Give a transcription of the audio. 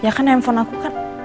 ya kan handphone aku kan